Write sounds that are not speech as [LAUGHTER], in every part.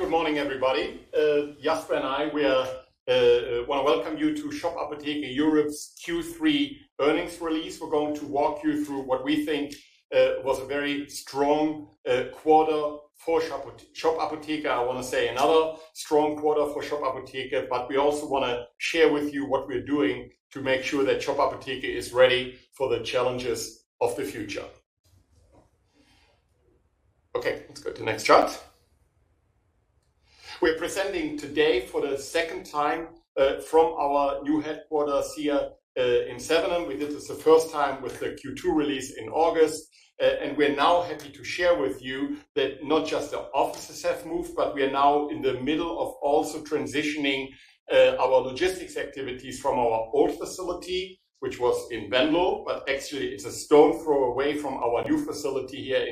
Well, good morning, everybody. Jasper and I, we want to welcome you to Shop Apotheke Europe's Q3 earnings release. We're going to walk you through what we think was a very strong quarter for Shop Apotheke. I want to say another strong quarter for Shop Apotheke, but we also want to share with you what we're doing to make sure that Shop Apotheke is ready for the challenges of the future. Okay, let's go to the next chart. We're presenting today for the second time from our new headquarters here in Sevenum. We did this the first time with the Q2 release in August. We're now happy to share with you that not just the offices have moved, but we are now in the middle of also transitioning our logistics activities from our old facility, which was in Venlo, but actually it's a stone throw away from our new facility here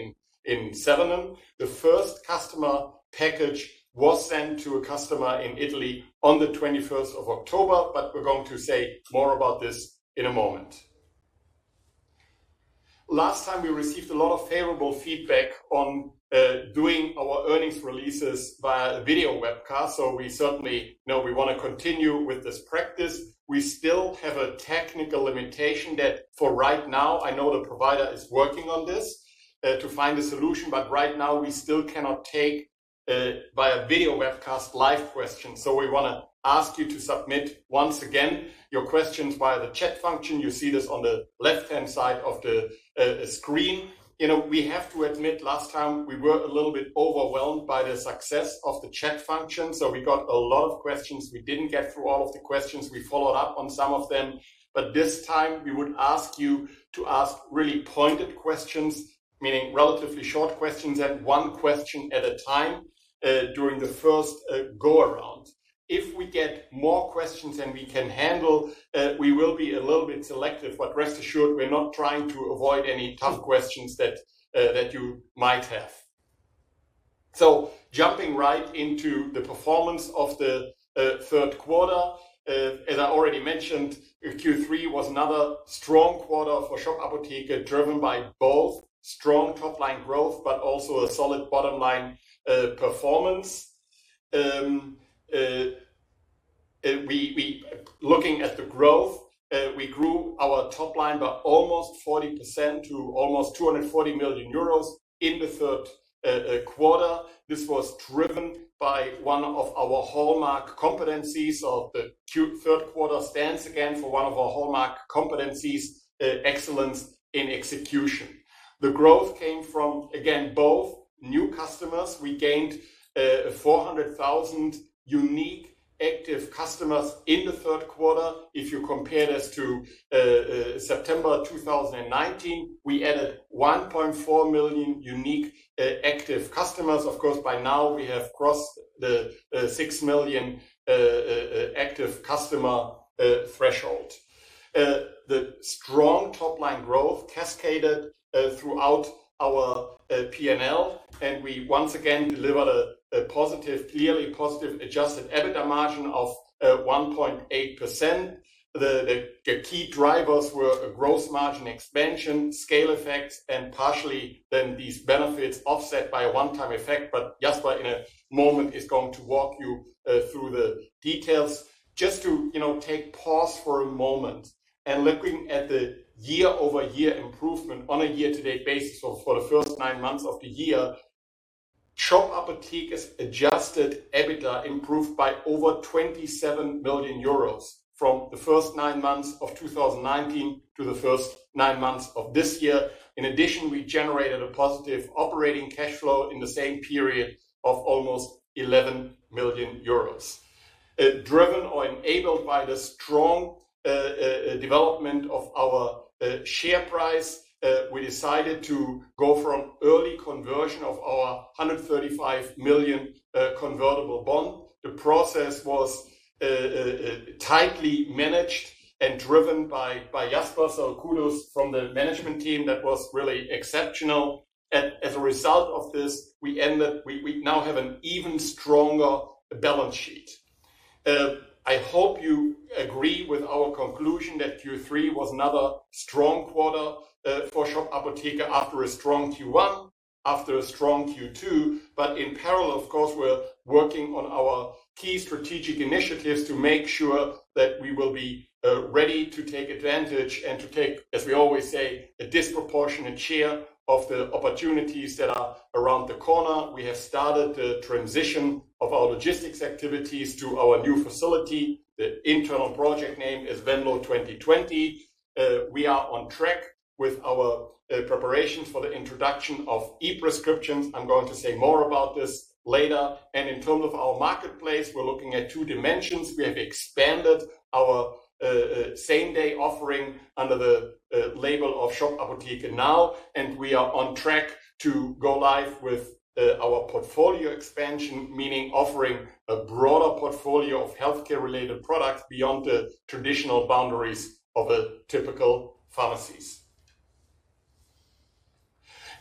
in Sevenum. The first customer package was sent to a customer in Italy on the 21st of October. We're going to say more about this in a moment. Last time we received a lot of favorable feedback on doing our earnings releases via video webcast. We certainly know we want to continue with this practice. We still have a technical limitation that for right now, I know the provider is working on this to find a solution. Right now, we still cannot take, by a video webcast, live questions. We want to ask you to submit, once again, your questions via the chat function. You see this on the left-hand side of the screen. We have to admit, last time we were a little bit overwhelmed by the success of the chat function. We got a lot of questions. We didn't get through all of the questions. We followed up on some of them. This time, we would ask you to ask really pointed questions, meaning relatively short questions and one question at a time during the first go-around. If we get more questions than we can handle, we will be a little bit selective. Rest assured, we're not trying to avoid any tough questions that you might have. Jumping right into the performance of the third quarter. As I already mentioned, Q3 was another strong quarter for Shop Apotheke, driven by both strong top-line growth but also a solid bottom-line performance. Looking at the growth, we grew our top line by almost 40% to almost 240 million euros in the third quarter. This was driven by one of our hallmark competencies, or the third quarter stands again for one of our hallmark competencies, excellence in execution. The growth came from, again, both new customers. We gained 400,000 unique active customers in the third quarter. If you compare this to September 2019, we added 1.4 million unique active customers. Of course, by now we have crossed the 6 million active customer threshold. The strong top-line growth cascaded throughout our P&L, and we once again delivered a clearly positive adjusted EBITDA margin of 1.8%. The key drivers were a gross margin expansion, scale effects, and partially then these benefits offset by a one-time effect. Jasper in a moment is going to walk you through the details. Just to take pause for a moment and looking at the year-over-year improvement on a year-to-date basis for the first nine months of the year, Shop Apotheke's adjusted EBITDA improved by over 27 million euros from the first nine months of 2019 to the first nine months of this year. In addition, we generated a positive operating cash flow in the same period of almost 11 million euros. Driven or enabled by the strong development of our share price, we decided to go for an early conversion of our 135 million convertible bond. The process was tightly managed and driven by Jasper, kudos from the management team. That was really exceptional. As a result of this, we now have an even stronger balance sheet. I hope you agree with our conclusion that Q3 was another strong quarter for Shop Apotheke after a strong Q1, after a strong Q2. In parallel, of course, we're working on our key strategic initiatives to make sure that we will be ready to take advantage and to take, as we always say, a disproportionate share of the opportunities that are around the corner. We have started the transition of our logistics activities to our new facility. The internal project name is Venlo 2020. We are on track with our preparations for the introduction of e-prescriptions. I'm going to say more about this later. In terms of our marketplace, we're looking at two dimensions. We have expanded our same-day offering under the label of Shop Apotheke NOW!, we are on track to go live with our portfolio expansion, meaning offering a broader portfolio of healthcare-related products beyond the traditional boundaries of a typical pharmacy.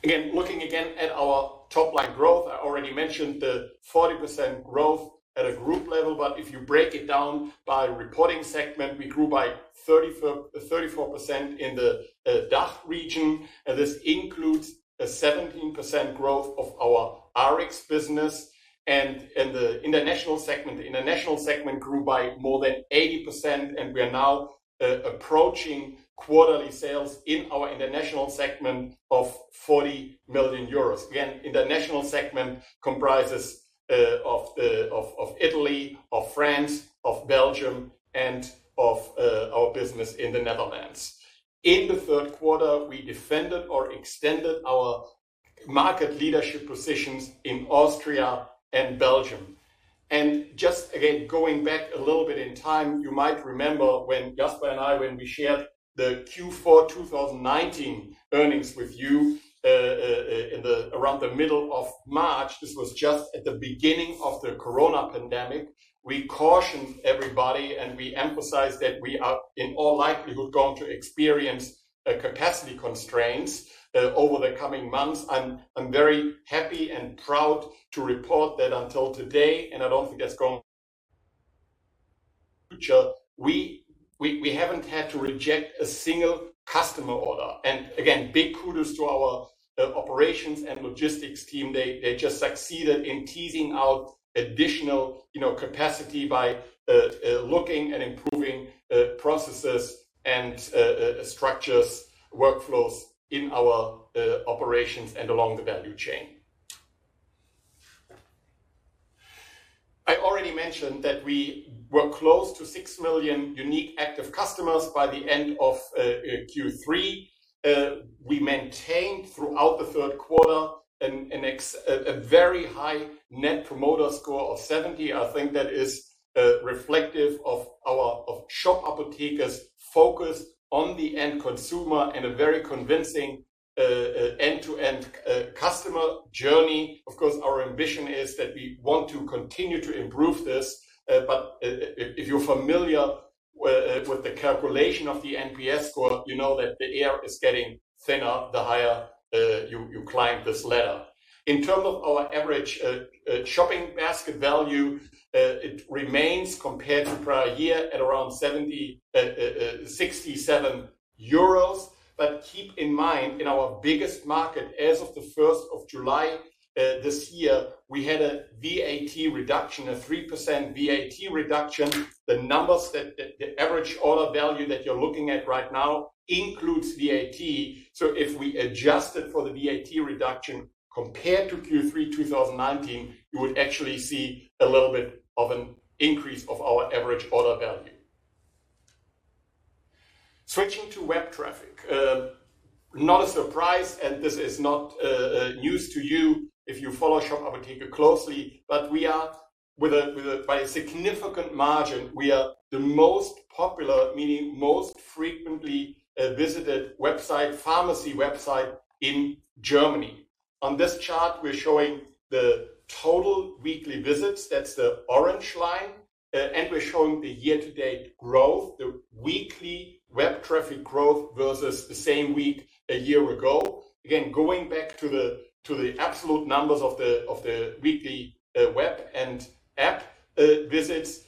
Looking again at our top-line growth, I already mentioned the 40% growth at a group level. If you break it down by reporting segment, we grew by 34% in the DACH region. This includes a 17% growth of our Rx business and in the international segment. The international segment grew by more than 80%, we are now approaching quarterly sales in our international segment of 40 million euros. International segment comprises of Italy, of France, of Belgium, and of our business in the Netherlands. In the third quarter, we defended or extended our market leadership positions in Austria and Belgium. Just again, going back a little bit in time, you might remember when Jasper and I, when we shared the Q4 2019 earnings with you around the middle of March. This was just at the beginning of the corona pandemic. We cautioned everybody, and we emphasized that we are in all likelihood going to experience capacity constraints over the coming months. I'm very happy and proud to report that until today, and I don't think that's going to change in the future. We haven't had to reject a single customer order. Again, big kudos to our operations and logistics team. They just succeeded in teasing out additional capacity by looking and improving processes and structures, workflows in our operations and along the value chain. I already mentioned that we were close to 6 million unique active customers by the end of Q3. We maintained throughout the third quarter a very high net promoter score of 70. I think that is reflective of Shop Apotheke's focus on the end consumer and a very convincing end-to-end customer journey. Of course, our ambition is that we want to continue to improve this. If you're familiar with the calculation of the NPS score, you know that the air is getting thinner the higher you climb this ladder. In terms of our average shopping basket value, it remains compared to prior year at around 67 euros. Keep in mind, in our biggest market as of the 1st of July this year, we had a VAT reduction, a 3% VAT reduction. The numbers that the average order value that you're looking at right now includes VAT. If we adjusted for the VAT reduction compared to Q3 2019, you would actually see a little bit of an increase of our average order value. Switching to web traffic. Not a surprise, and this is not news to you if you follow Shop Apotheke closely. By a significant margin, we are the most popular, meaning most frequently visited website, pharmacy website in Germany. On this chart, we're showing the total weekly visits. That's the orange line. We're showing the year-to-date growth, the weekly web traffic growth versus the same week a year ago. Again, going back to the absolute numbers of the weekly web and app visits.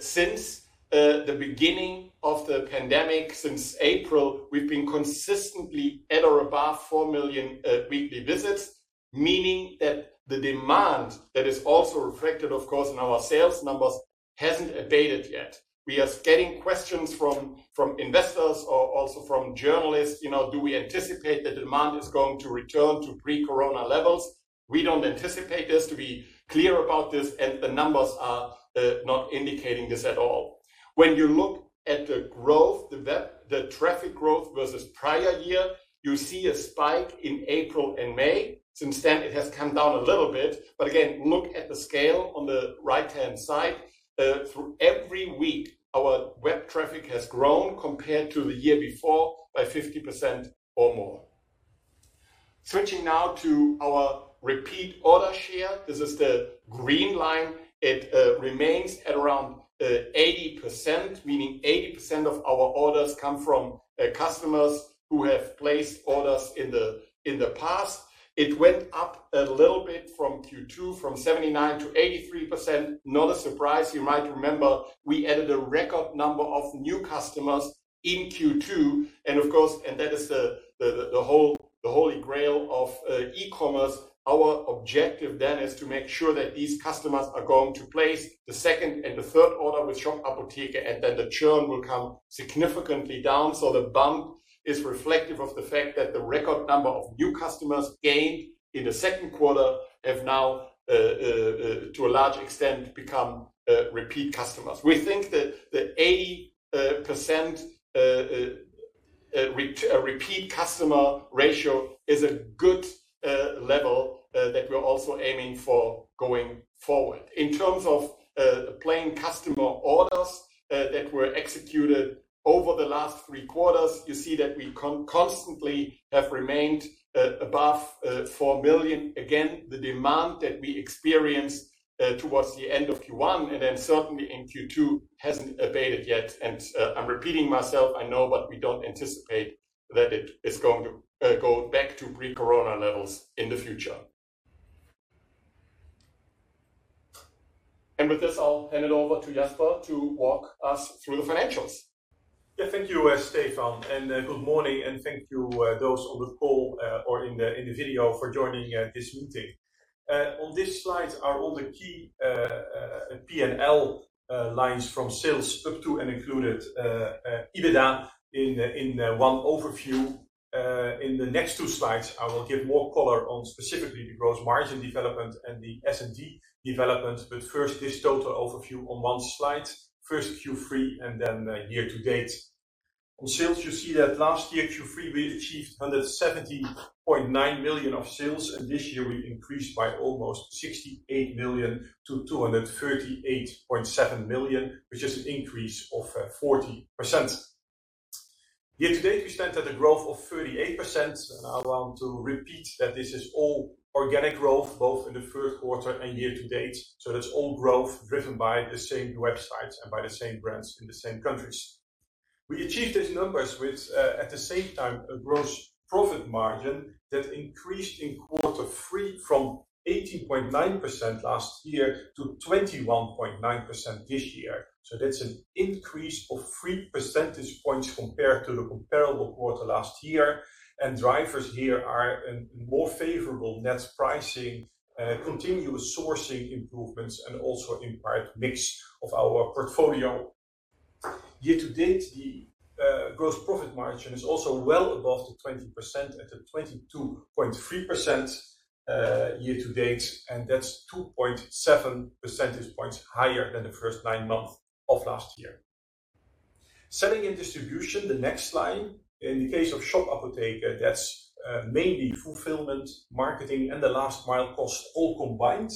Since the beginning of the pandemic, since April, we've been consistently at or above 4 million weekly visits, meaning that the demand that is also reflected, of course, in our sales numbers hasn't abated yet. We are getting questions from investors or also from journalists. Do we anticipate the demand is going to return to pre-corona levels? We don't anticipate this. To be clear about this. The numbers are not indicating this at all. When you look at the growth, the traffic growth versus prior year, you see a spike in April and May. Since then, it has come down a little bit. Again, look at the scale on the right-hand side. Through every week, our web traffic has grown compared to the year before by 50% or more. Switching now to our repeat order share. This is the green line. It remains at around 80%, meaning 80% of our orders come from customers who have placed orders in the past. It went up a little bit from Q2, from 79% to 83%. Not a surprise. You might remember we added a record number of new customers in Q2. Of course, that is the holy grail of e-commerce. Our objective is to make sure that these customers are going to place the second and the third order with Shop Apotheke. The churn will come significantly down. The bump is reflective of the fact that the record number of new customers gained in the second quarter have now, to a large extent, become repeat customers. We think that 80% repeat customer ratio is a good level that we're also aiming for going forward. In terms of playing customer orders that were executed over the last three quarters, you see that we constantly have remained above 4 million. Again, the demand that we experienced towards the end of Q1 and then certainly in Q2 hasn't abated yet. I'm repeating myself, I know, but we don't anticipate that it is going to go back to pre-corona levels in the future. With this, I'll hand it over to Jasper to walk us through the financials. Thank you, Stefan, and good morning, and thank you those on the call or in the video for joining this meeting. On this slide are all the key P&L lines from sales up to and included EBITDA in one overview. In the next two slides, I will give more color on specifically the gross margin development and the S&D development. First, this total overview on one slide. First Q3 and year to date. On sales, you see that last year, Q3, we achieved 170.9 million of sales, and this year we increased by almost 68 million to 238.7 million, which is an increase of 40%. Year to date, we stand at a growth of 38%, and I want to repeat that this is all organic growth, both in the first quarter and year to date. That's all growth driven by the same websites and by the same brands in the same countries. We achieved these numbers with, at the same time, a gross profit margin that increased in quarter three from 18.9% last year to 21.9% this year. That's an increase of 3 percentage points compared to the comparable quarter last year. Drivers here are in more favorable net pricing, continuous sourcing improvements, and also in part mix of our portfolio. Year to date, the gross profit margin is also well above the 20% at a 22.3% year to date, and that's 2.7 percentage points higher than the first nine months of last year. Selling and Distribution, the next slide. In the case of Shop Apotheke, that's mainly fulfillment, marketing, and the last mile cost all combined.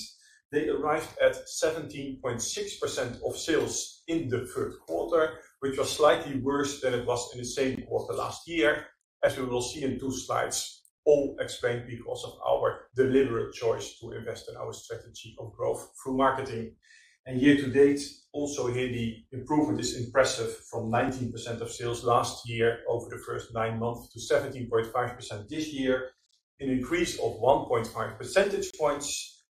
They arrived at 17.6% of sales in the third quarter, which was slightly worse than it was in the same quarter last year. As we will see in two slides, all explained because of our deliberate choice to invest in our strategy of growth through marketing. Year to date, also here the improvement is impressive from 19% of sales last year over the first nine months to 17.5% this year, an increase of 1.5 percentage points.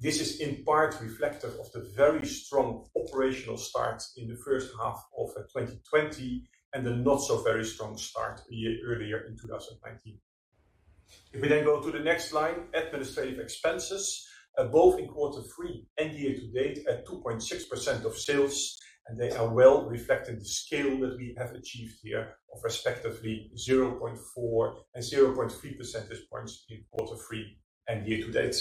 This is in part reflective of the very strong operational start in the first half of 2020 and the not so very strong start a year earlier in 2019. If we then go to the next slide, administrative expenses, both in quarter three and year to date at 2.6% of sales, and they are well reflecting the scale that we have achieved here of respectively 0.4 percentage points and 0.3 percentage points in quarter three and year to date.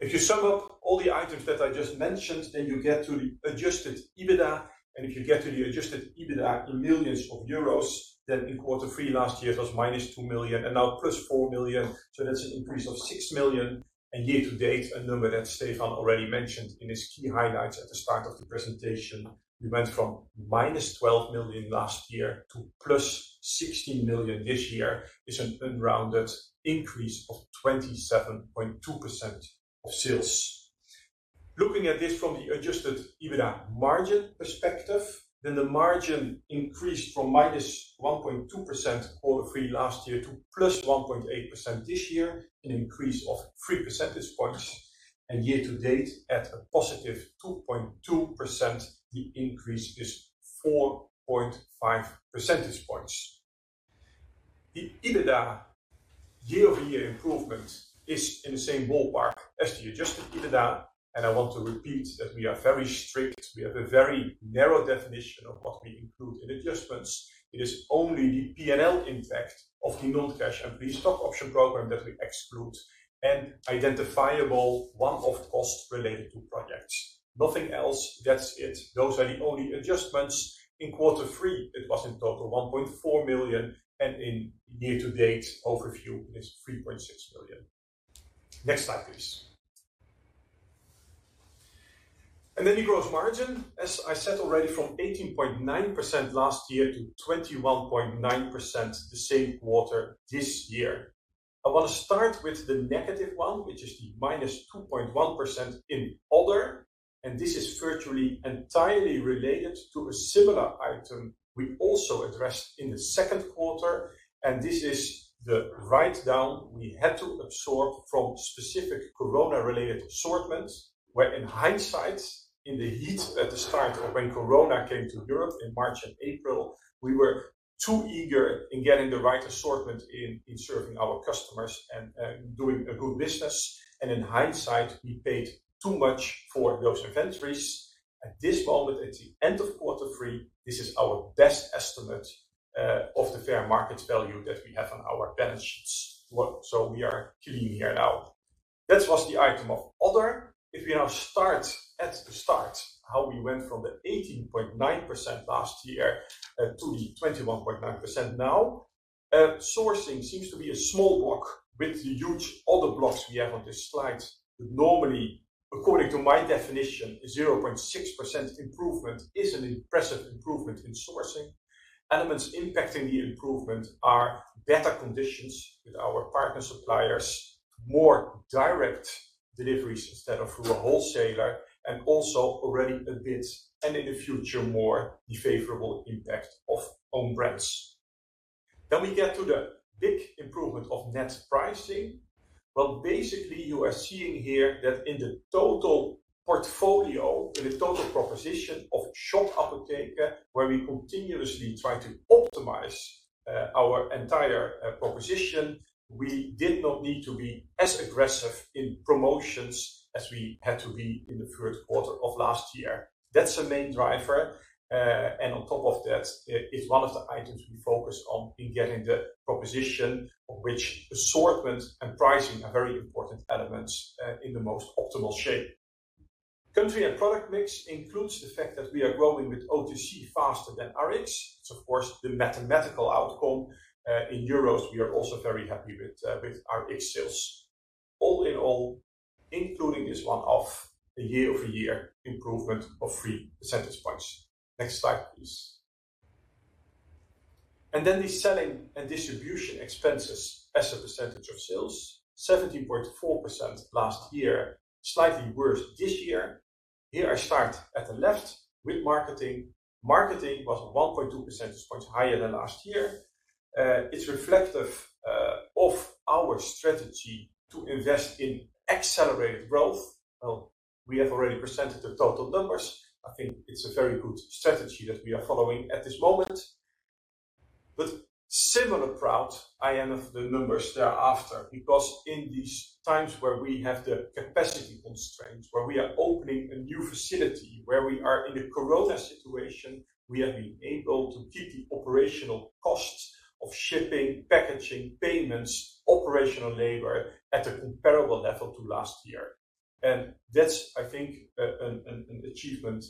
If you sum up all the items that I just mentioned, then you get to the adjusted EBITDA, and if you get to the adjusted EBITDA in millions of EUR, then in quarter three last year it was -2 million, and now +4 million, so that's an increase of 6 million EUR. Year to date, a number that Stefan already mentioned in his key highlights at the start of the presentation, we went from -12 million last year to +16 million this year, is an unrounded increase of 27.2% of sales. Looking at this from the adjusted EBITDA margin perspective, then the margin increased from -1.2% quarter three last year to +1.8% this year, an increase of 3 percentage points. Year to date at a +2.2%, the increase is 4.5 percentage points. The EBITDA year-over-year improvement is in the same ballpark as the adjusted EBITDA. I want to repeat that we are very strict. We have a very narrow definition of what we include in adjustments. It is only the P&L impact of the non-cash employee stock option program that we exclude and identifiable one-off costs related to projects. Nothing else. That's it. Those are the only adjustments. In quarter three, it was in total 1.4 million, and in year to date overview is 3.6 million. Next slide, please. The gross margin, as I said already, from 18.9% last year to 21.9% the same quarter this year. I want to start with the -1, which is the -2.1% in other, and this is virtually entirely related to a similar item we also addressed in the second quarter, and this is the write-down we had to absorb from specific COVID-related assortments, where in hindsight, in the heat at the start of when COVID came to Europe in March and April, we were too eager in getting the right assortment in serving our customers and doing a good business. In hindsight, we paid too much for those inventories. At this moment, at the end of quarter three, this is our best estimate of the fair market value that we have on our balance sheets. We are clean here now. That was the item of other. We now start at the start, how we went from the 18.9% last year to the 21.9% now. Sourcing seems to be a small block with the huge other blocks we have on this slide. Normally, according to my definition, 0.6% improvement is an impressive improvement in sourcing. Elements impacting the improvement are better conditions with our partner suppliers, more direct deliveries instead of through a wholesaler, and also already a bit, and in the future more, the favorable impact of own brands. We get to the big improvement of net pricing. Well, basically, you are seeing here that in the total portfolio, in the total proposition of Shop Apotheke, where we continuously try to optimize our entire proposition, we did not need to be as aggressive in promotions as we had to be in the third quarter of last year. That's the main driver. On top of that is one of the items we focus on in getting the proposition of which assortment and pricing are very important elements, in the most optimal shape. Country and product mix includes the fact that we are growing with OTC faster than Rx. It's of course the mathematical outcome. In euros, we are also very happy with Rx sales. All in all, including this one-off, a year-over-year improvement of 3 percentage points. Next slide, please. The selling and distribution expenses as a percentage of sales, 70.4% last year, slightly worse this year. Here I start at the left with marketing. Marketing was 1.2 percentage points higher than last year. It's reflective of our strategy to invest in accelerated growth. Well, we have already presented the total numbers. I think it's a very good strategy that we are following at this moment. Similar proud I am of the numbers thereafter, because in these times where we have the capacity constraints, where we are opening a new facility, where we are in the COVID situation, we have been able to keep the operational costs of shipping, packaging, payments, operational labor at a comparable level to last year. That's, I think, an achievement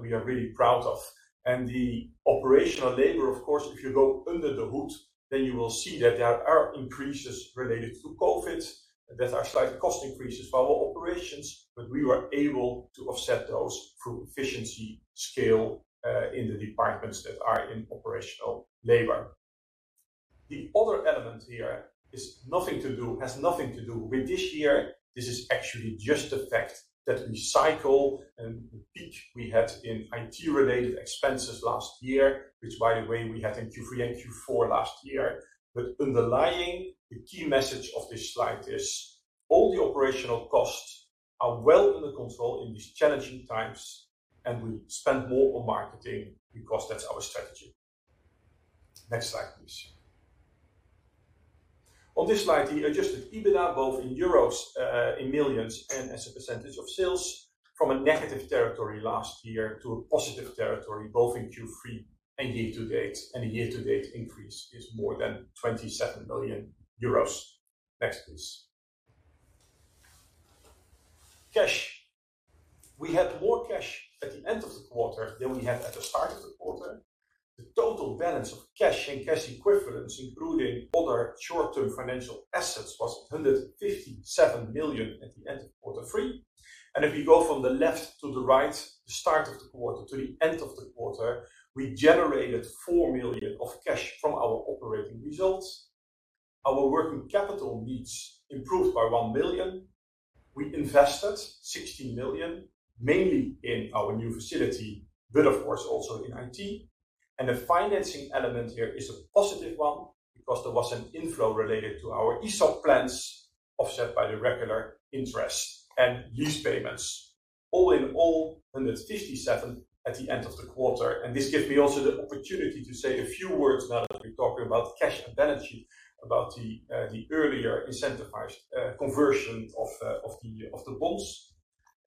we are really proud of. The operational labor, of course, if you go under the hood, then you will see that there are increases related to COVID. There are slight cost increases for our operations, but we were able to offset those through efficiency scale, in the departments that are in operational labor. The other element here has nothing to do with this year. This is actually just the fact that we cycle, and the peak we had in IT-related expenses last year, which by the way, we had in Q3 and Q4 last year. Underlying the key message of this slide is all the operational costs are well under control in these challenging times, and we spend more on marketing because that's our strategy. Next slide, please. On this slide, the adjusted EBITDA, both in euros, in millions, and as a percentage of sales from a negative territory last year to a positive territory, both in Q3 and year to date. The year to date increase is more than 27 million euros. Next, please. Cash. We had more cash at the end of the quarter than we had at the start of the quarter. The total balance of cash and cash equivalents, including other short-term financial assets, was 157 million at the end of quarter three. If you go from the left to the right, the start of the quarter to the end of the quarter, we generated 4 million of cash from our operating results. Our working capital needs improved by 1 million. We invested 16 million, mainly in our new facility, but of course also in IT. The financing element here is a positive one because there was an inflow related to our ESOP plans, offset by the regular interest and lease payments. All in all, 157 million at the end of the quarter. This gives me also the opportunity to say a few words now that we're talking about cash and balance sheet, about the earlier incentivized conversion of the bonds.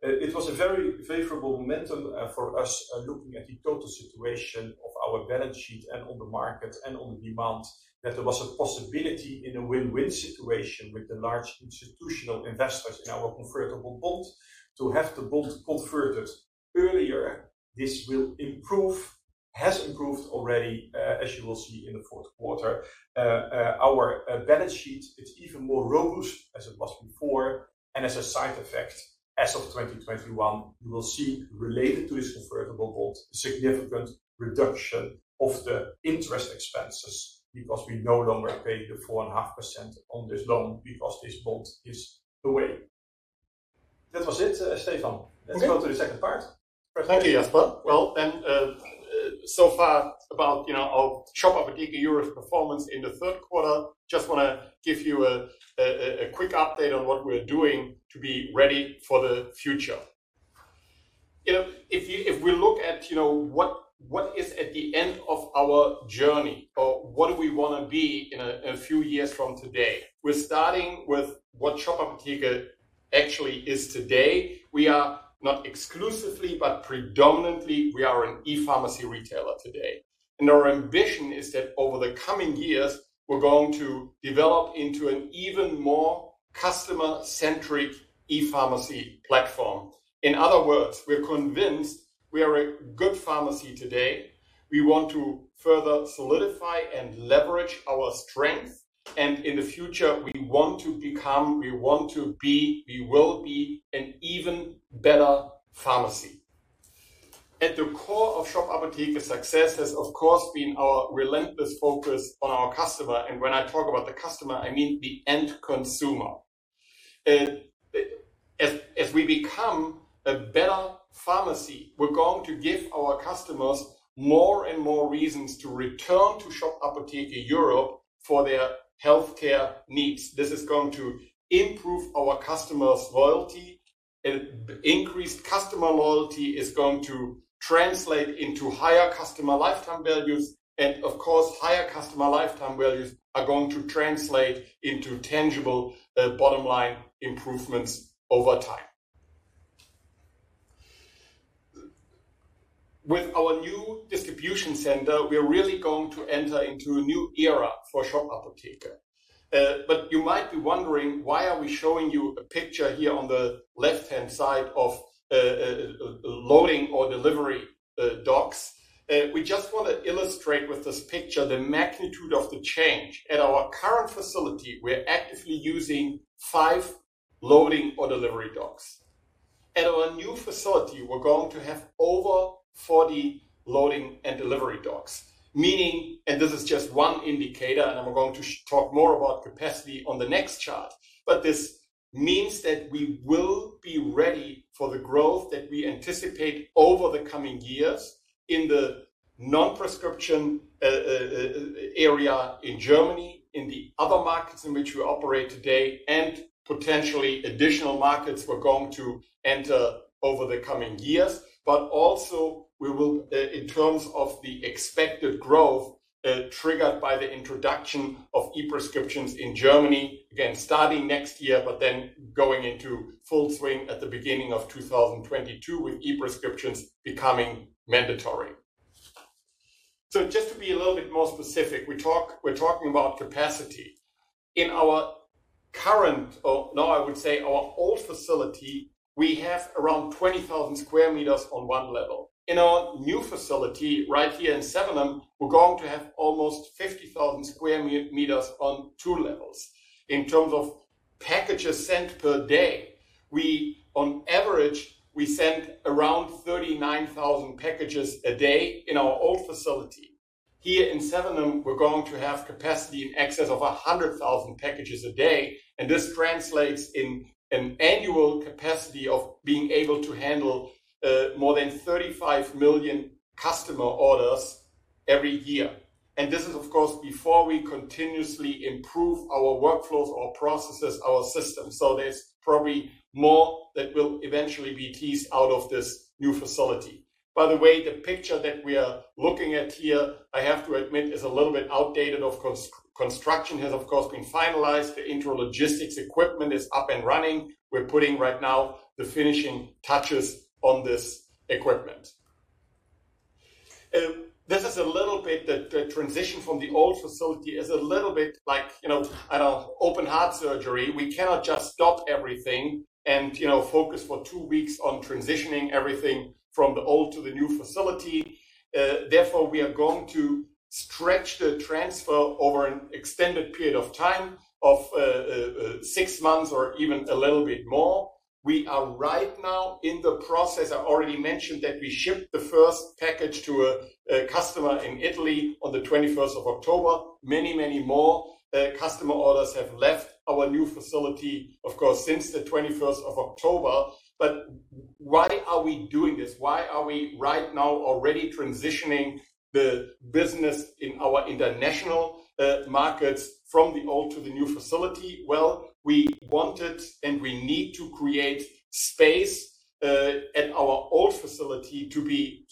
It was a very favorable momentum for us looking at the total situation of our balance sheet and on the market and on the demand, that there was a possibility in a win-win situation with the large institutional investors in our convertible bond to have the bond converted earlier. This will improve, has improved already, as you will see in the fourth quarter. Our balance sheet is even more robust as it was before, and as a side effect, as of 2021, you will see related to this convertible bond, significant reduction of the interest expenses because we no longer pay the 4.5% on this loan because this bond is away. That was it, Stefan. Let's go to the second part. Thank you, Jasper. Well, so far about our Shop Apotheke Europe performance in the third quarter. Just want to give you a quick update on what we're doing to be ready for the future. If we look at what is at the end of our journey or what do we want to be in a few years from today, we're starting with what Shop Apotheke actually is today. We are not exclusively, but predominantly, we are an e-pharmacy retailer today. Our ambition is that over the coming years, we're going to develop into an even more customer-centric e-pharmacy platform. In other words, we're convinced we are a good pharmacy today. We want to further solidify and leverage our strength. In the future, we will be an even better pharmacy. At the core of Shop Apotheke's success has, of course, been our relentless focus on our customer. When I talk about the customer, I mean the end consumer. As we become a better pharmacy, we're going to give our customers more and more reasons to return to Shop Apotheke Europe for their healthcare needs. This is going to improve our customers' loyalty. Increased customer loyalty is going to translate into higher customer lifetime values, and of course, higher customer lifetime values are going to translate into tangible bottom-line improvements over time. With our new distribution center, we are really going to enter into a new era for Shop Apotheke. You might be wondering why are we showing you a picture here on the left-hand side of loading or delivery docks. We just want to illustrate with this picture the magnitude of the change. At our current facility, we're actively using five loading or delivery docks. At our new facility, we're going to have over 40 loading and delivery docks. Meaning, and this is just one indicator, and I'm going to talk more about capacity on the next chart, but this means that we will be ready for the growth that we anticipate over the coming years in the non-prescription area in Germany, in the other markets in which we operate today, and potentially additional markets we're going to enter over the coming years. Also, we will, in terms of the expected growth triggered by the introduction of e-prescriptions in Germany, again starting next year, but then going into full swing at the beginning of 2022 with e-prescriptions becoming mandatory. Just to be a little bit more specific, we're talking about capacity. In our current, or now I would say our old facility, we have around 20,000 sq m on one level. In our new facility right here in Sevenum, we're going to have almost 50,000 sq m on two levels. In terms of packages sent per day, on average, we sent around 39,000 packages a day in our old facility. Here in Sevenum, we're going to have capacity in excess of 100,000 packages a day. This translates in an annual capacity of being able to handle more than 35 million customer orders every year. This is of course, before we continuously improve our workflows, our processes, our systems. There's probably more that will eventually be teased out of this new facility. By the way, the picture that we are looking at here, I have to admit, is a little bit outdated. Of course, construction has of course been finalized. The intralogistics equipment is up and running. We're putting right now the finishing touches on this equipment. The transition from the old facility is a little bit like an open heart surgery. We cannot just stop everything and focus for two weeks on transitioning everything from the old to the new facility. Therefore, we are going to stretch the transfer over an extended period of time of six months or even a little bit more. We are right now in the process. I already mentioned that we shipped the first package to a customer in Italy on the 21st of October. Many more customer orders have left our new facility, of course, since the 21st of October. Why are we doing this? Why are we right now already transitioning the business in our international markets from the old to the new facility? Well, we wanted and we need to create space at our old facility to be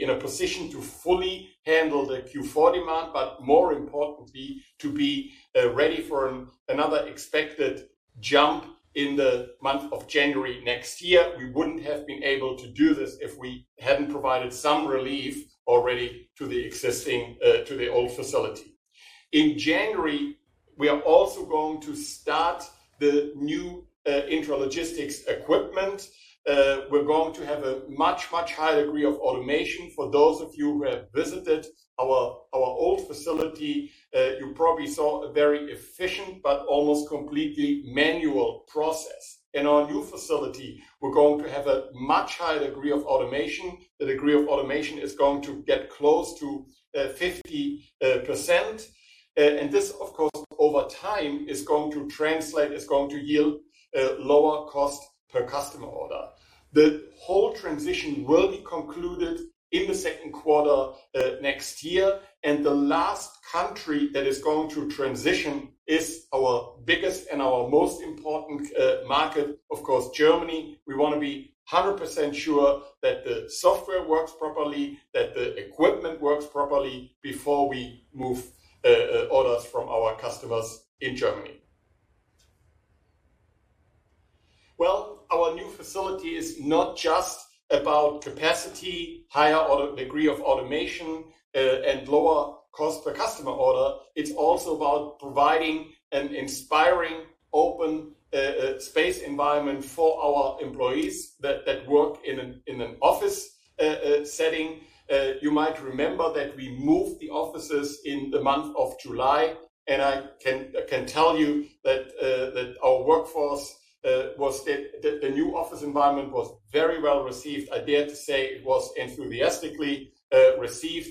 in a position to fully handle the Q4 demand, but more importantly, to be ready for another expected jump in the month of January next year. We wouldn't have been able to do this if we hadn't provided some relief already to the old facility. In January, we are also going to start the new intralogistics equipment. We're going to have a much higher degree of automation. For those of you who have visited our old facility, you probably saw a very efficient but almost completely manual process. In our new facility, we're going to have a much higher degree of automation. The degree of automation is going to get close to 50%, and this, of course, over time is going to translate, is going to yield lower cost per customer order. The whole transition will be concluded in the second quarter next year, and the last country that is going to transition is our biggest and our most important market, of course, Germany. We want to be 100% sure that the software works properly, that the equipment works properly before we move orders from our customers in Germany. Well, our new facility is not just about capacity, higher degree of automation, and lower cost per customer order. It's also about providing an inspiring open space environment for our employees that work in an office setting. You might remember that we moved the offices in the month of July, and I can tell you that the new office environment was very well received. I dare to say it was enthusiastically received.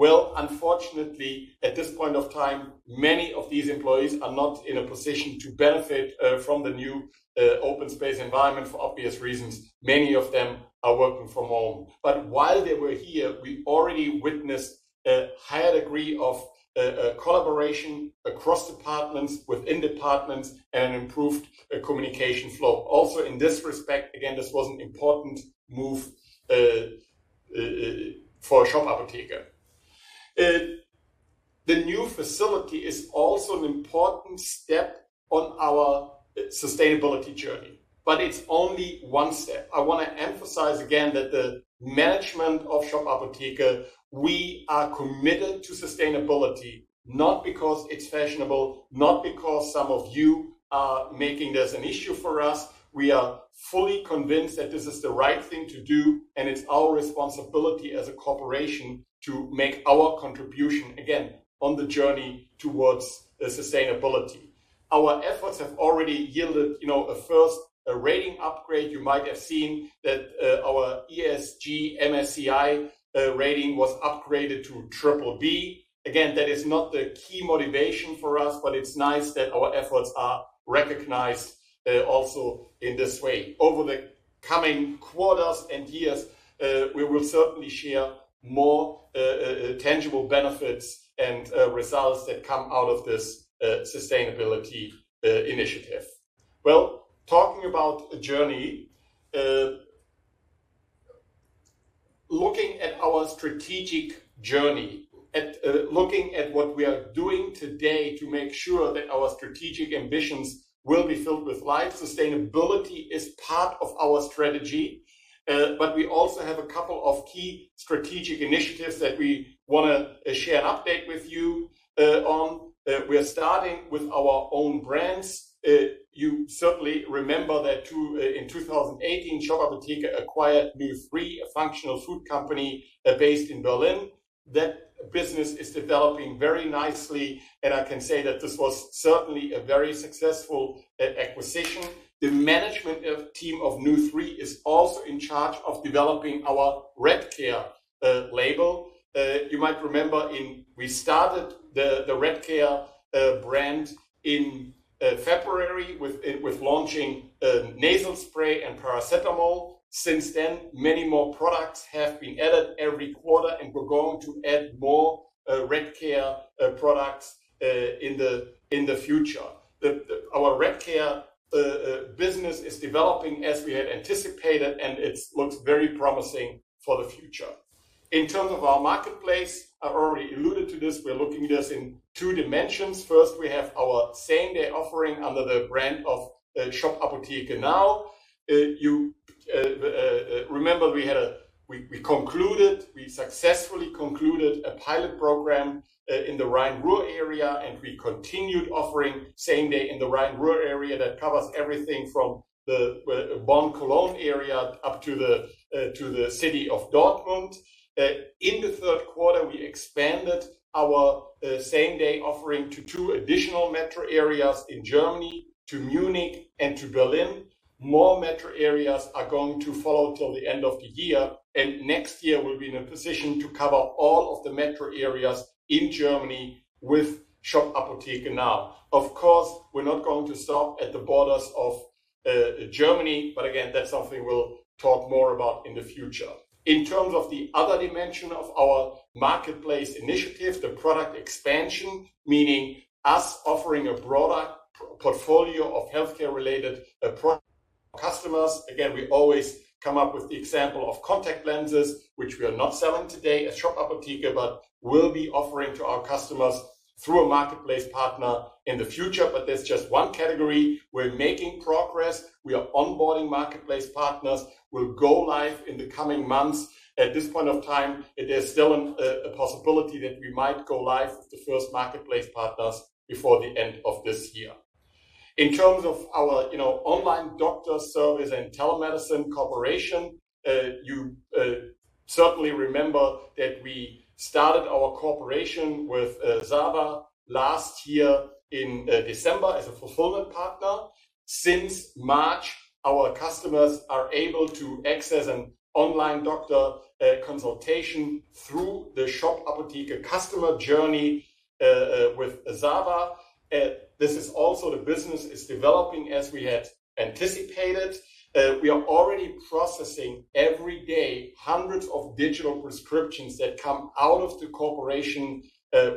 Well, unfortunately, at this point of time, many of these employees are not in a position to benefit from the new open space environment for obvious reasons. Many of them are working from home. While they were here, we already witnessed a high degree of collaboration across departments, within departments, and improved communication flow. In this respect, again, this was an important move for Shop Apotheke. The new facility is also an important step on our sustainability journey, but it's only one step. I want to emphasize again that the management of Shop Apotheke, we are committed to sustainability, not because it's fashionable, not because some of you are making this an issue for us. We are fully convinced that this is the right thing to do, and it's our responsibility as a corporation to make our contribution, again, on the journey towards sustainability. Our efforts have already yielded a first rating upgrade. You might have seen that our ESG MSCI rating was upgraded to BBB. That is not the key motivation for us, but it's nice that our efforts are recognized also in this way. Over the coming quarters and years, we will certainly share more tangible benefits and results that come out of this sustainability initiative. Well, talking about a journey. Looking at our strategic journey and looking at what we are doing today to make sure that our strategic ambitions will be filled with life, sustainability is part of our strategy. We also have a couple of key strategic initiatives that we want to share an update with you on. We are starting with our own brands. You certainly remember that in 2018, Shop Apotheke acquired nu3, a functional food company based in Berlin. That business is developing very nicely, and I can say that this was certainly a very successful acquisition. The management team of nu3 is also in charge of developing our Redcare label. You might remember we started the Redcare brand in February with launching nasal spray and paracetamol. Since then, many more products have been added every quarter and we're going to add more Redcare products in the future. Our Redcare business is developing as we had anticipated, and it looks very promising for the future. In terms of our marketplace, I've already alluded to this. We are looking at this in two dimensions. First, we have our same-day offering under the brand of Shop Apotheke NOW!. You remember we successfully concluded a pilot program in the Rhine-Ruhr area, and we continued offering same day in the Rhine-Ruhr area that covers everything from the Bonn-Cologne area up to the city of Dortmund. In the third quarter, we expanded our same-day offering to two additional metro areas in Germany, to Munich and to Berlin. More metro areas are going to follow till the end of the year, and next year we'll be in a position to cover all of the metro areas in Germany with Shop Apotheke NOW!. Of course, we're not going to stop at the borders of Germany, but again, that's something we'll talk more about in the future. In terms of the other dimension of our marketplace initiative, the product expansion, meaning us offering a broader portfolio of healthcare-related [AUDIO DISTORTION] customers. Again, we always come up with the example of contact lenses, which we are not selling today at Shop Apotheke, but we'll be offering to our customers through a marketplace partner in the future. That's just one category. We're making progress. We are onboarding marketplace partners. We'll go live in the coming months. At this point of time, there's still a possibility that we might go live with the first marketplace partners before the end of this year. In terms of our online doctor service and telemedicine cooperation, you certainly remember that we started our cooperation with ZAVA last year in December as a fulfillment partner. Since March, our customers are able to access an online doctor consultation through the Shop Apotheke customer journey with ZAVA. This is also the business is developing as we had anticipated. We are already processing, every day, hundreds of digital prescriptions that come out of the cooperation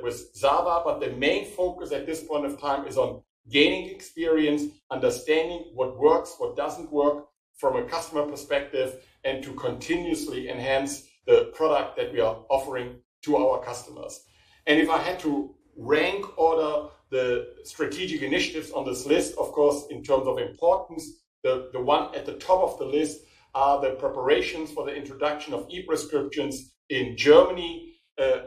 with ZAVA. The main focus at this point of time is on gaining experience, understanding what works, what doesn't work from a customer perspective, and to continuously enhance the product that we are offering to our customers. If I had to rank order the strategic initiatives on this list, of course, in terms of importance, the one at the top of the list are the preparations for the introduction of e-prescriptions in Germany.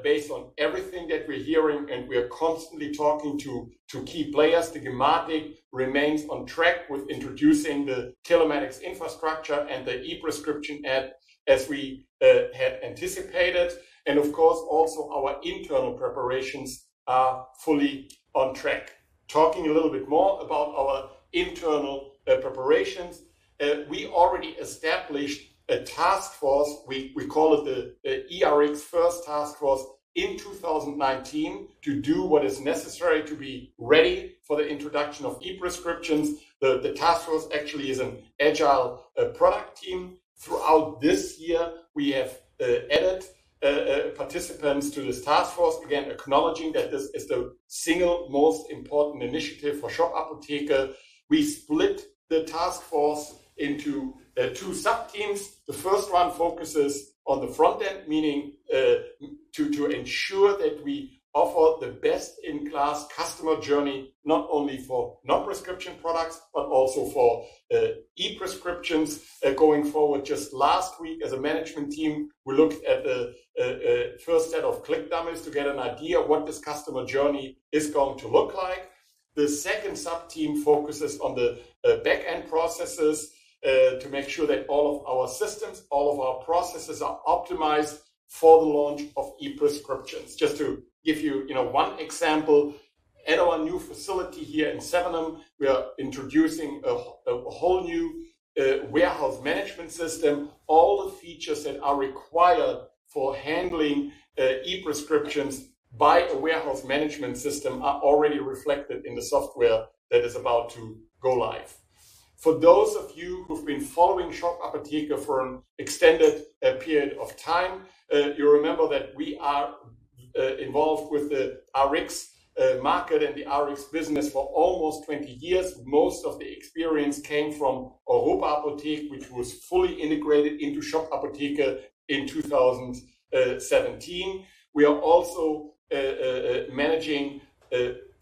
Based on everything that we're hearing and we are constantly talking to key players, the gematik remains on track with introducing the telematics infrastructure and the e-prescription app as we had anticipated. Of course, also our internal preparations are fully on track. Talking a little bit more about our internal preparations. We already established a task force, we call it the e-Rx first task force in 2019 to do what is necessary to be ready for the introduction of e-prescriptions. The task force actually is an agile product team. Throughout this year, we have added participants to this task force, again, acknowledging that this is the single most important initiative for Shop Apotheke. We split the task force into two sub-teams. The first one focuses on the front end, meaning to ensure that we offer the best in class customer journey, not only for non-prescription products, but also for e-prescriptions going forward. Just last week as a management team, we looked at the first set of click dummies to get an idea of what this customer journey is going to look like. The second sub-team focuses on the back-end processes to make sure that all of our systems, all of our processes are optimized for the launch of e-prescriptions. Just to give you one example, at our new facility here in Sevenum, we are introducing a whole new warehouse management system. All the features that are required for handling e-prescriptions by a warehouse management system are already reflected in the software that is about to go live. For those of you who've been following Shop Apotheke for an extended period of time, you remember that we are involved with the Rx market and the Rx business for almost 20 years. Most of the experience came from Europa Apotheek, which was fully integrated into Shop Apotheke in 2017. We are also managing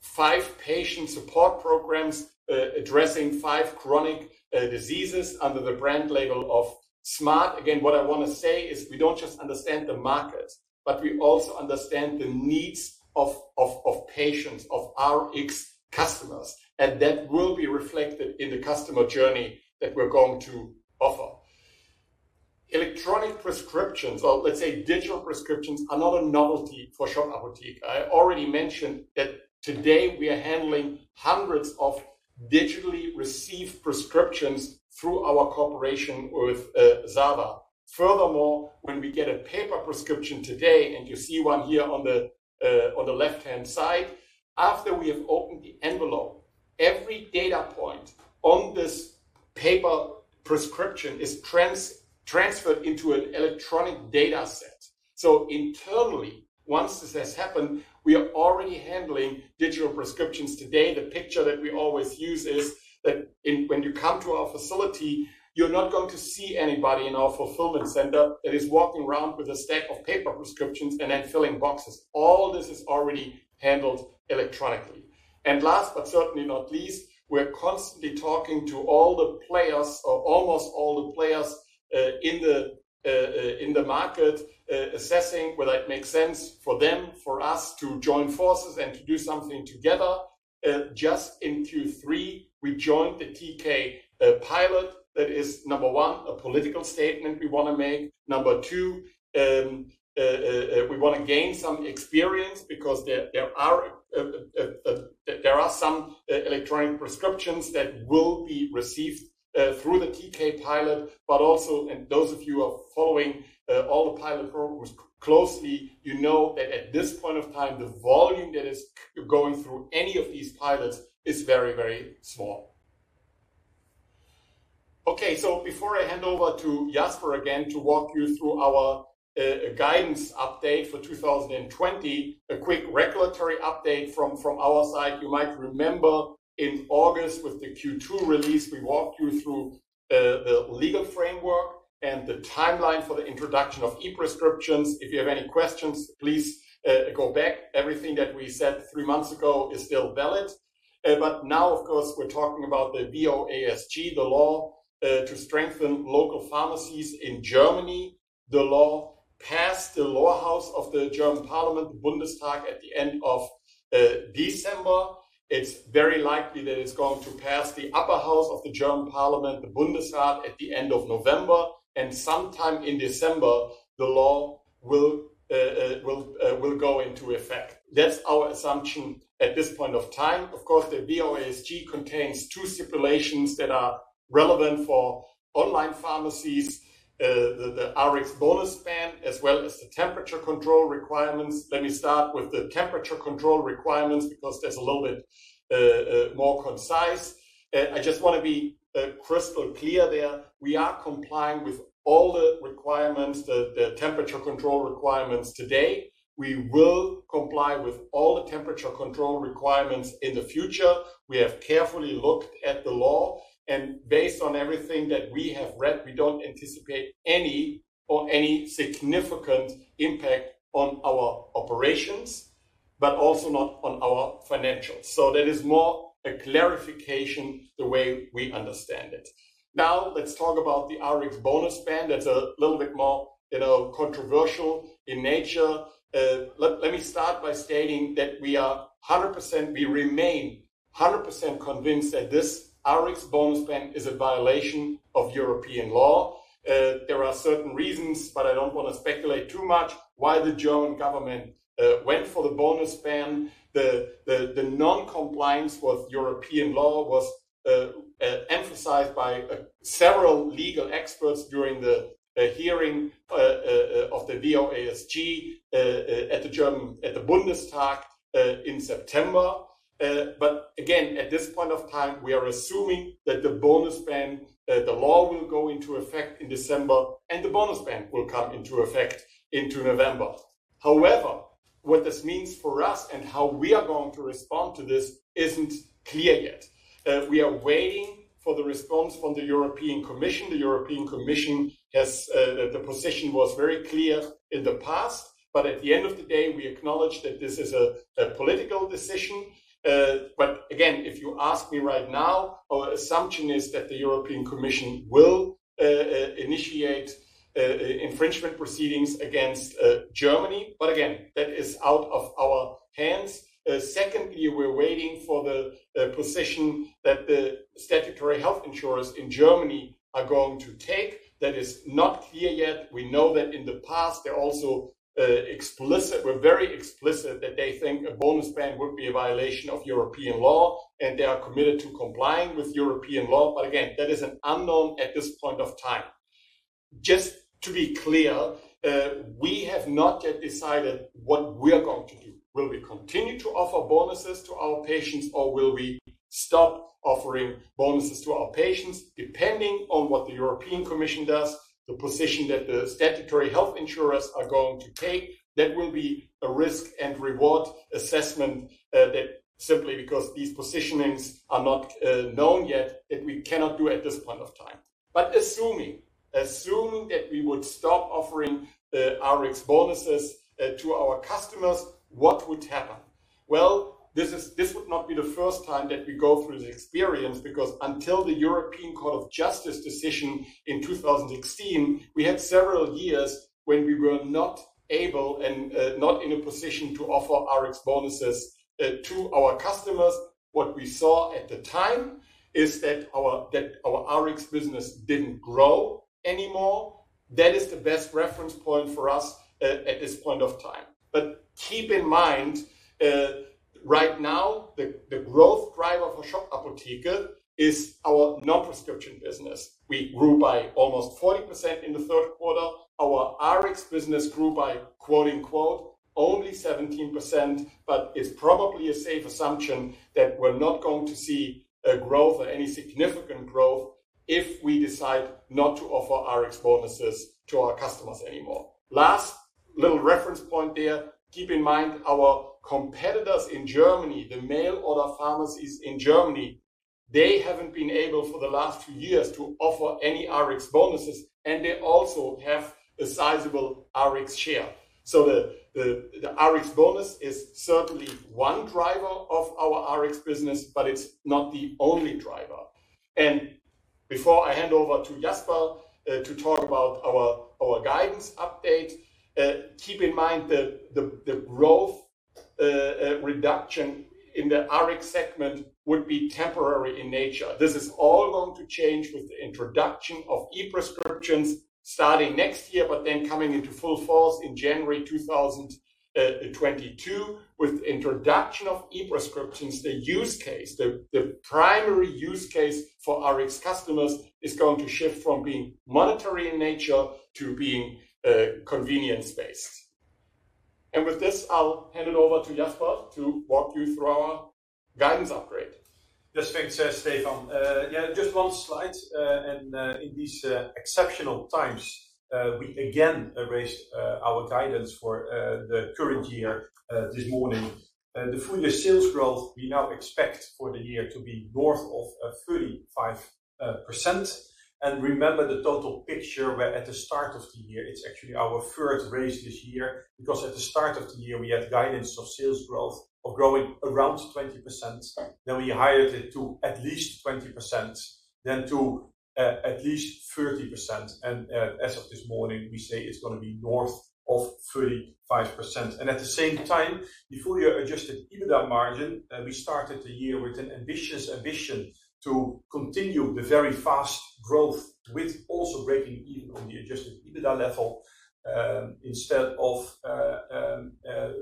five patient support programs, addressing five chronic diseases under the brand label of SMART. What I want to say is we don't just understand the market, but we also understand the needs of patients, of Rx customers, and that will be reflected in the customer journey that we're going to offer. Electronic prescriptions or let's say digital prescriptions are not a novelty for Shop Apotheke. I already mentioned that today we are handling hundreds of digitally received prescriptions through our cooperation with ZAVA. When we get a paper prescription today, and you see one here on the left-hand side, after we have opened the envelope, every data point on this paper prescription is transferred into an electronic data set. Internally, once this has happened, we are already handling digital prescriptions today. The picture that we always use is that when you come to our facility, you're not going to see anybody in our fulfillment center that is walking around with a stack of paper prescriptions and then filling boxes. All this is already handled electronically. Last but certainly not least, we're constantly talking to all the players or almost all the players in the market, assessing whether it makes sense for them, for us to join forces and to do something together. Just in Q3, we joined the TK pilot. That is, number one, a political statement we want to make. Number two, we want to gain some experience because there are some electronic prescriptions that will be received through the TK pilot, also, and those of you who are following all the pilot programs closely, you know that at this point of time, the volume that is going through any of these pilots is very, very small. Okay. Before I hand over to Jasper again to walk you through our guidance update for 2020, a quick regulatory update from our side. You might remember in August with the Q2 release, we walked you through the legal framework and the timeline for the introduction of e-prescriptions. If you have any questions, please go back. Everything that we said three months ago is still valid. Now, of course, we're talking about the VOASG, the law to strengthen local pharmacies in Germany. The law passed the lower house of the German parliament, the Bundestag, at the end of December. It's very likely that it's going to pass the upper house of the German parliament, the Bundestag, at the end of November, and sometime in December, the law will go into effect. That's our assumption at this point of time. Of course, the VOASG contains two stipulations that are relevant for online pharmacies, the Rx bonus ban, as well as the temperature control requirements. Let me start with the temperature control requirements because that's a little bit more concise. I just want to be crystal clear there. We are complying with all the requirements, the temperature control requirements today. We will comply with all the temperature control requirements in the future. We have carefully looked at the law, and based on everything that we have read, we don't anticipate any or any significant impact on our operations, but also not on our financials. That is more a clarification the way we understand it. Let's talk about the Rx bonus ban. That's a little bit more controversial in nature. Let me start by stating that we are 100%, we remain 100% convinced that this Rx bonus ban is a violation of European law. There are certain reasons, but I don't want to speculate too much why the German government went for the bonus ban. The non-compliance with European law was emphasized by several legal experts during the hearing of the VOASG at the Bundestag in September. At this point of time, we are assuming that the bonus ban, that the law will go into effect in December, and the bonus ban will come into effect into November. What this means for us and how we are going to respond to this isn't clear yet. We are waiting for the response from the European Commission. The European Commission, the position was very clear in the past, but at the end of the day, we acknowledge that this is a political decision. If you ask me right now, our assumption is that the European Commission will initiate infringement proceedings against Germany. That is out of our hands. We're waiting for the position that the statutory health insurers in Germany are going to take. That is not clear yet. We know that in the past, they were very explicit that they think a bonus ban would be a violation of European law, and they are committed to complying with European law. Again, that is an unknown at this point of time. Just to be clear, we have not yet decided what we are going to do. Will we continue to offer bonuses to our patients, or will we stop offering bonuses to our patients? Depending on what the European Commission does, the position that the statutory health insurers are going to take, that will be a risk and reward assessment that simply because these positionings are not known yet, that we cannot do at this point of time. Assuming that we would stop offering Rx bonuses to our customers, what would happen? This would not be the first time that we go through the experience, because until the European Court of Justice decision in 2016, we had several years when we were not able and not in a position to offer Rx bonuses to our customers. What we saw at the time is that our Rx business didn't grow anymore. That is the best reference point for us at this point of time. Keep in mind, right now, the growth driver for Shop Apotheke is our non-prescription business. We grew by almost 40% in the third quarter. Our Rx business grew by only 17%, but it's probably a safe assumption that we're not going to see a growth or any significant growth if we decide not to offer Rx bonuses to our customers anymore. Last little reference point there, keep in mind our competitors in Germany, the mail order pharmacies in Germany, they haven't been able for the last few years to offer any Rx bonuses, and they also have a sizable Rx share. The Rx bonus is certainly one driver of our Rx business, but it's not the only driver. Before I hand over to Jasper to talk about our guidance update, keep in mind the growth reduction in the Rx segment would be temporary in nature. This is all going to change with the introduction of e-prescriptions starting next year, but then coming into full force in January 2022. With the introduction of e-prescriptions, the primary use case for Rx customers is going to shift from being monetary in nature to being convenience-based. With this, I'll hand it over to Jasper to walk you through our guidance upgrade. Yes. Thanks, Stefan. Yeah, just one slide. In these exceptional times, we again raised our guidance for the current year this morning. The full year sales growth we now expect for the year to be north of 35%. Remember the total picture where at the start of the year, it's actually our third raise this year, because at the start of the year, we had guidance of sales growth of growing around 20%. We [AUDIO DISTORTION] it to at least 20%, then to at least 30%. As of this morning, we say it's going to be north of 35%. At the same time, the full year adjusted EBITDA margin, we started the year with an ambitious ambition to continue the very fast growth with also breaking even on the adjusted EBITDA level. Instead of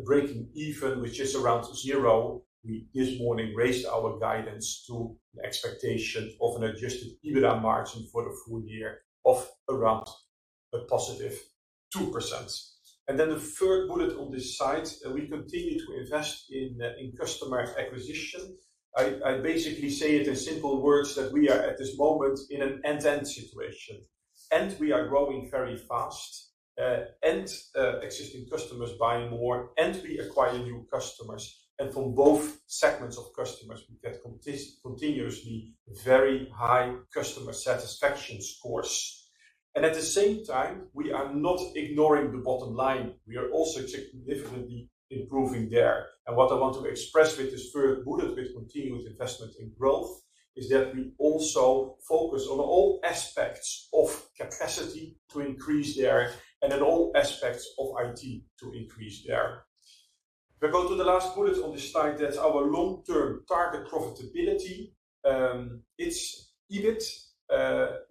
breaking even, which is around zero, we this morning raised our guidance to the expectation of an adjusted EBITDA margin for the full year of around a +2%. The third bullet on this slide, we continue to invest in customer acquisition. I basically say it in simple words that we are at this moment in an and-and situation. We are growing very fast, and existing customers buying more, and we acquire new customers. From both segments of customers, we get continuously very high customer satisfaction scores. At the same time, we are not ignoring the bottom line. We are also significantly improving there. What I want to express with this third bullet, with continuous investment in growth, is that we also focus on all aspects of capacity to increase there and at all aspects of IT to increase there. We go to the last bullet on this slide. That's our long-term target profitability. Its EBIT,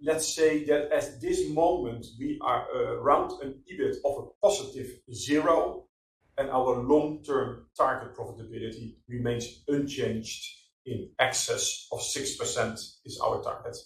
let's say that at this moment, we are around an EBIT of a +0, and our long-term target profitability remains unchanged. In excess of 6% is our target.